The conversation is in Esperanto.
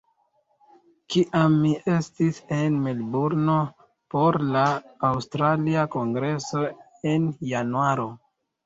Kiam mi estis en Melburno por la aŭstralia kongreso en Januaro